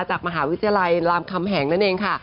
จากมหาวิทยาลัยรามคำแหงนั่นเองค่ะ